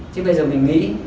chứ bây giờ mình nghĩ